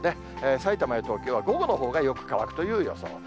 さいたまや東京は午後のほうがよく乾くという予想です。